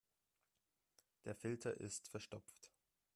Der Filter ist verstopft.